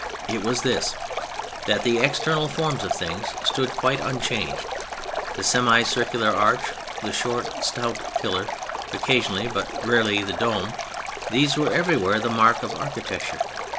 It was this: that the external forms of things stood quite unchanged. The semi circular arch, the short, stout pillar, occasionally (but rarely) the dome: these were everywhere the mark of architecture.